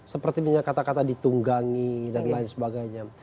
seperti misalnya kata kata ditunggangi dan lain sebagainya